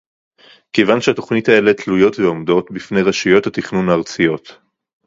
כיוון שהתוכניות האלה תלויות ועומדות בפני רשויות התכנון הארציות